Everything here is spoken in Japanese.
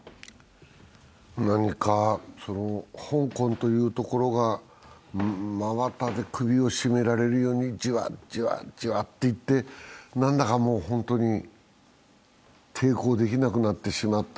何か香港という所が真綿で首を絞められるようにじわっじわっじわっといって、何だか本当に抵抗できなくなってしまった。